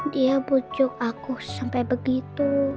dia bucuk aku sampai begitu